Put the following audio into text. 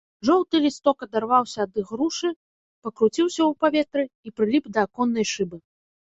Жоўты лісток адарваўся ад ігрушы, пакруціўся ў паветры і прыліп да аконнай шыбы.